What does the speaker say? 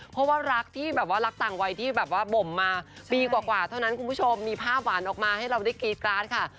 เพราะว่ารักที่แบบว่ารักต่างวัยที่แบบว่าบ่มมาปีกว่าเท่านั้นคุณผู้ชมมีภาพหวานออกมาให้เราได้กรี๊ดการ์ดค่ะ